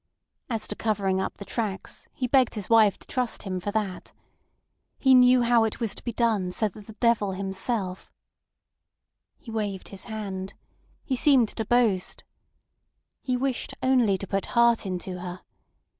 As to covering up the tracks, he begged his wife to trust him for that. He knew how it was to be done so that the devil himself— He waved his hand. He seemed to boast. He wished only to put heart into her.